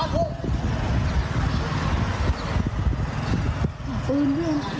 ดูดัน